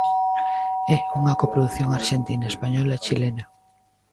É unha coprodución arxentina, española e chilena.